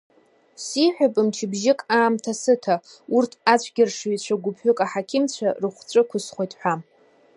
Сиҳәап мчыбжьык аамҭа сыҭа, урҭ ацәгьаршыҩцәа гәыԥҩык аҳақьымцәа рыхәҵәы ықәысхуеит ҳәа.